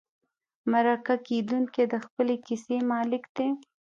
مرکه کېدونکی د خپلې کیسې مالک دی.